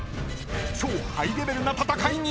［超ハイレベルな戦いに］